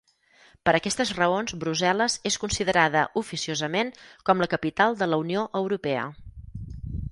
Per aquestes raons Brussel·les és considerada oficiosament com la capital de la Unió Europea.